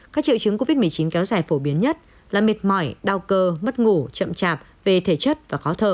các triệu chứng covid một mươi chín kéo dài phổ biến nhất là mệt mỏi đau cơ mất ngủ chậm chạp về thể chất và khó thở